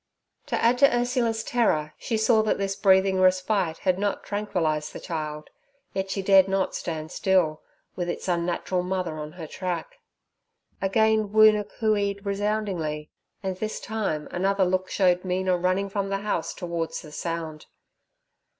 To add to Ursula's terror, she saw that this breathing respite had not tranquillized the child, yet she dared not stand still, with its unnatural mother on her track. Again Woona cooeed resoundingly, and this time another look showed Mina running from the house towards the sound.